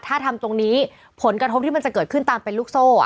ถ้าทำตรงนี้ผลกระทบที่มันจะเกิดขึ้นตามเป็นลูกโซ่